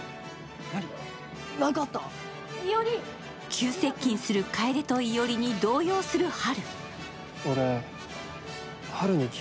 急接近すると楓と伊織に動揺する春。